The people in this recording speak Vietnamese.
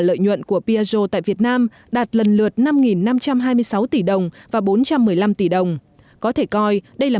lợi nhuận của piaggio tại việt nam đạt lần lượt năm năm trăm hai mươi sáu tỷ đồng và bốn trăm một mươi năm tỷ đồng có thể coi đây là